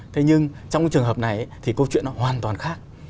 thế nhưng trong cái trường hợp này thì câu chuyện nó hoàn toàn khác